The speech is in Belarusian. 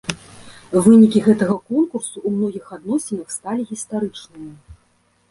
Вынікі гэтага конкурсу ў многіх адносінах сталі гістарычнымі.